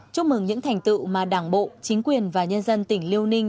chúc mừng những thành tựu mà đảng bộ chính quyền và nhân dân tỉnh liêu ninh